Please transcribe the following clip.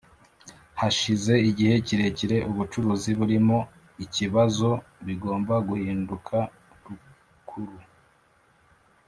Hashize igihe kirekire ubucuruzi burimo ikibazo bigomba guhinduka Rukuru